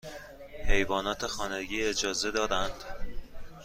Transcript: حیوانات خانگی اجازه دارند؟